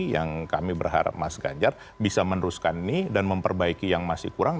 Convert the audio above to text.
yang kami berharap mas ganjar bisa meneruskan ini dan memperbaiki yang masih kurang